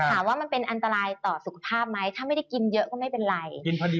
ถามว่ามันเป็นอันตรายต่อสุขภาพไหมถ้าไม่ได้กินเยอะก็ไม่เป็นไร